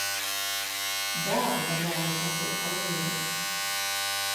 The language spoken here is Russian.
Да, уважаемый посол Алжира.